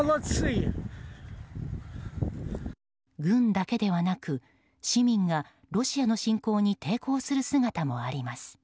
軍だけではなく市民がロシアの侵攻に抵抗する姿もあります。